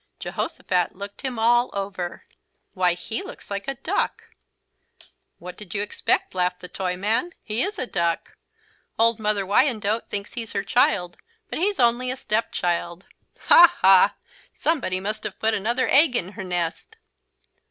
Jehosophat looked him all over. "Why, he looks like a duck." "What did you expect?" laughed the Toyman. "He is a duck. Old Mother Wyandotte thinks he's her child, but he's only a step child. Ha! Ha! Somebody must have put another egg in her nest."